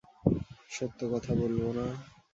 সত্য কথা বলব না?